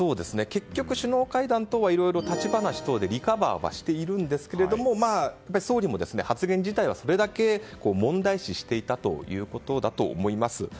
結局、首脳会談とはいろいろ立ち話等でリカバーはしているんですが総理も発言自体はそれだけ問題視していたということだと思います。